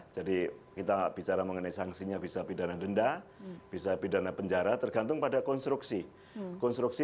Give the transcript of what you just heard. jadi kita bicara mengenai sanksinya bisa pidana denda bisa pidana penjara tergantung pada konstruksi